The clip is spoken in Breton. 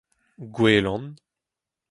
gouelan